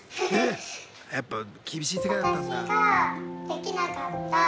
やっぱ厳しい世界だったんだ。